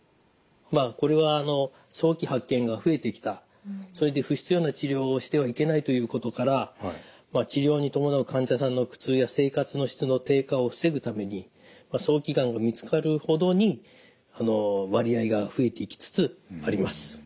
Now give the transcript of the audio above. まあこれは早期発見が増えてきたそれで不必要な治療をしてはいけないということから治療に伴う患者さんの苦痛や生活の質の低下を防ぐために早期がんが見つかるほどに割合が増えてきつつあります。